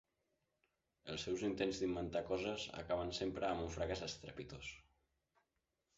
Els seus intents d'inventar coses acaben sempre amb un fracàs estrepitós.